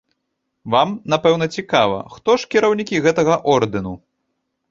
Вам, напэўна, цікава, хто ж кіраўнікі гэтага ордэну?